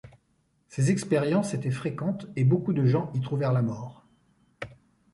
Ces expériences étaient fréquentes et beaucoup de gens y trouvèrent la mort.